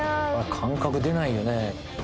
感覚出ないよね。